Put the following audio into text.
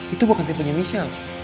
itu bukan tipenya michelle